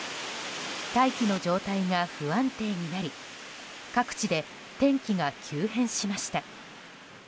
大気の状態が不安定になり各地で天気が急変しました。